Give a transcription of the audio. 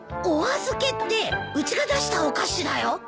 お預けってうちが出したお菓子だよ。